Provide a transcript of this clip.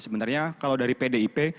sebenarnya kalau dari pdip